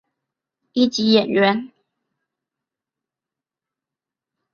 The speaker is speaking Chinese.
一级演员。